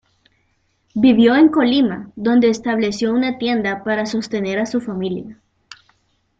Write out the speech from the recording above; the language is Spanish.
Vivió en Colima, donde estableció una tienda para sostener a su familia.